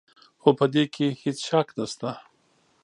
خو په دې کې هېڅ شک نشته.